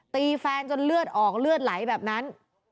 ตีแฟนจนเลือดออกเลือดไหลแบบนั้น